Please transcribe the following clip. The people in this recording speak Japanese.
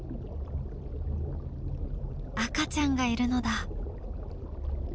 赤ちゃんがいるのだ。